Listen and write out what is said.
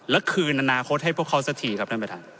และคืนอนาคตให้พวกเขาสักทีครับท่านประธาน